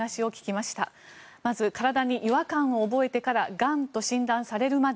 まず、体に違和感を覚えてからがんと診断されるまで。